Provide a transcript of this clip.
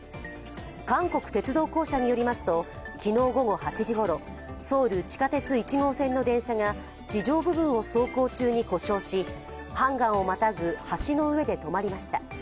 韓国鉄道公社によりますと昨日午後８時ごろソウル地下鉄１号線の電車が地上部分を走行中に故障し、ハンガンをまたぐ橋の上で止まりました。